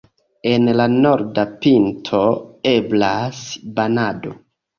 En la norda pinto eblas banado.